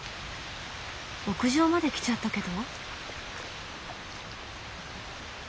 屋上まで来ちゃったけど。